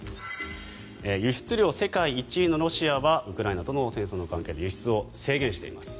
輸出量世界１位のロシアはウクライナとの戦争の関係で輸出を制限しています。